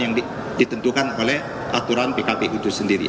yang ditentukan oleh aturan pkpu itu sendiri